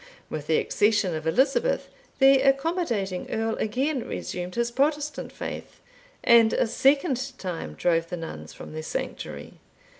With the accession of Elizabeth, the accommodating Earl again resumed his Protestant faith, and a second time drove the nuns from their sanctuary.